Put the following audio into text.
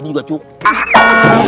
ini juga cukup